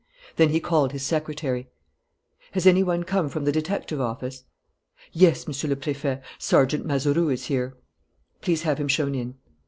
Then he called his secretary: "Has any one come from the detective office?" "Yes, Monsieur le Préfet; Sergeant Mazeroux is here." "Please have him shown in."